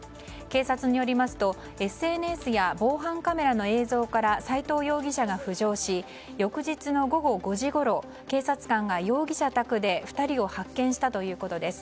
警察によりますとＳＮＳや防犯カメラの映像から斎藤容疑者が浮上し翌日の午後５時ごろ警察官が容疑者宅で２人を発見したということです。